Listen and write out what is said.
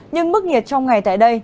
nhưng mức nhiệt trong ngày tại đây